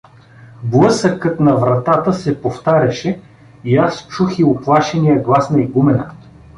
Блъсъкът на вратата се повтаряше и аз чух и уплашения глас на игумена.